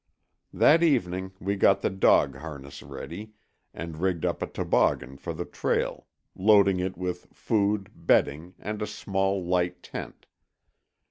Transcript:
That evening we got the dog harness ready, and rigged up a toboggan for the trail, loading it with food, bedding, and a small, light tent.